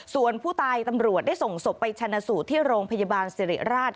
ส่วนผู้ตายตำรวจได้ส่งศพไปชนะสูตรที่โรงพยาบาลสิริราช